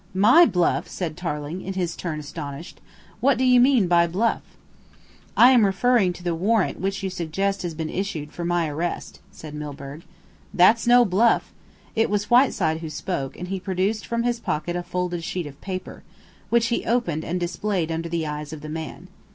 "My bluff!" said Tarling, in his turn astonished. "What do you mean by bluff?" "I am referring to the warrant which you suggest has been issued for my arrest," said Milburgh. "That's no bluff." It was Whiteside who spoke, and he produced from his pocket a folded sheet of paper, which he opened and displayed under the eyes of the man.